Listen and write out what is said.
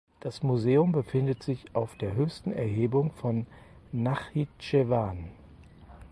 Das Museum befindet sich auf der höchsten Erhebung von Nachitschewan.